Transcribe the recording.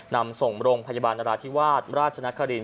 นำส่งโรงพยาบาลนราธิวาสราชนคริน